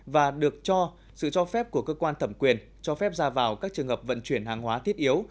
và được cho sự cho phép của cơ quan thẩm quyền cho phép ra vào các trường hợp vận chuyển hàng hóa thiết yếu